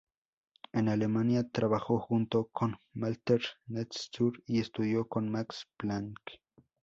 En Alemania trabajó junto con Walther Nernst y estudió con Max Planck.